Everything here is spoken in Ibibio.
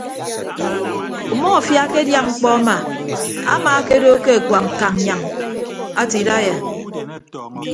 Umọfia akedia mkpọ ama amaakedo ke akuañ kannyak ate idaiya.